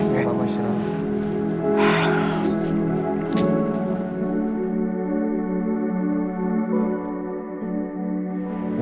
papa mau istirahat